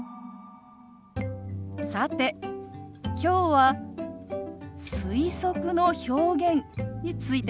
さてきょうは推測の表現についてです。